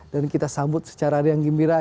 dan kita sambut secara riang gembira